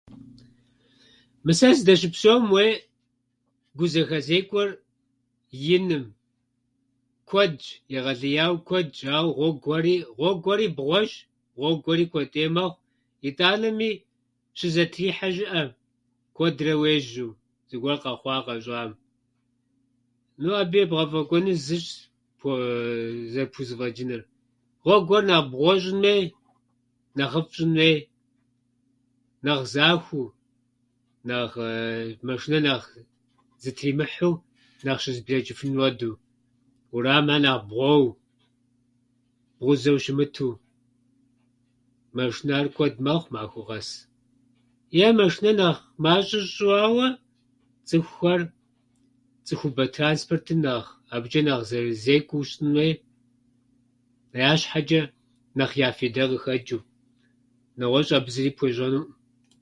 Мы сэ сыздэщыпсэум уей гу зэхэзекӏуэр иным. Куэдщ, егъэлеяуэ куэдщ, ауэ гъуэгухьэри- гъуэгухьэри бгъуэщ, гъуэгухьэри куэдӏей мэхъу. Итӏанэми щызэтрихьэ щыӏэ куэдрэ уежьэу, зыгуэр къэхуа-къэщӏам. Ну, абы ебгъэфӏэкӏуэну зыщ пхуузэ- пхузэфӏэкӏынур: гъуэгуьхэр нэхъ бгъуэ щӏын хуей, нэхъыфӏ щӏын хуей, нэхъ зэхуэу, нэхъ машинэр нэхъ зытримыхьэу нэхъ щызэблэчӏыфын хуэдэу. Уэрэмхьэр нэхъ бгъуэуэ, бгъузэу щымыту. Мэшынэхьэр нэхъ куэд мэхъу махуэ къэс. Е машынэ нэхъ мащӏэ щӏауэ, цӏыхухэр цӏыхубэ транспортым нэхъ, абычӏэ нэхъ зэрызекӏуэу щытын хуейщ, я щхьэчӏэ нэхъ я фейдэ къыхэчӏыу. Нэгъуэщӏ абы зыри пхуещӏэнуӏым.